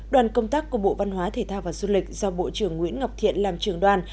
đoàn công tác của bộ văn hóa thể thao và du lịch do bộ trưởng nguyễn ngọc thiện làm trường đoàn